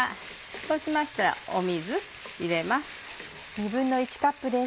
そうしましたら水入れます。